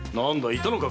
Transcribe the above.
いたのよ